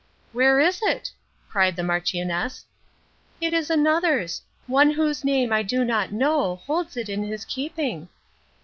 "Where is it?" cried the Marchioness. "It is another's. One whose very name I do not know holds it in his keeping."